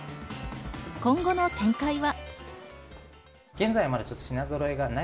今後の展開は。